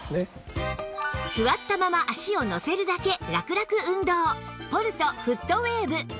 座ったまま足をのせるだけラクラク運動ポルトフットウェーブ